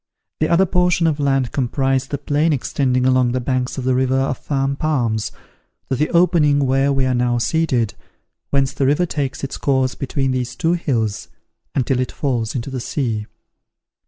The other portion of land comprised the plain extending along the banks of the river of Fan Palms, to the opening where we are now seated, whence the river takes its course between these two hills, until it falls into the sea.